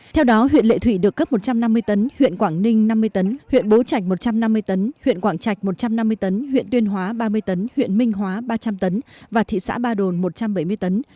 theo đó huyện lệ thủy được cấp một trăm năm mươi tấn huyện quảng ninh năm mươi tấn huyện bố trạch một trăm năm mươi tấn huyện quảng trạch một trăm năm mươi tấn huyện tuyên hóa ba mươi tấn huyện minh hóa ba trăm linh tấn và thị xã ba đồn một trăm bảy mươi tấn